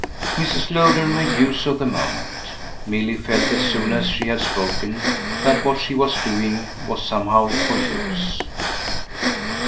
Mrs. Lowder made use of the moment: Milly felt as soon as she had spoken that what she was doing was somehow for use.